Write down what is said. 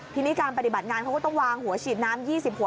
ทีนี้การปฏิบัติงานเขาก็ต้องวางหัวฉีดน้ำ๒๐หัว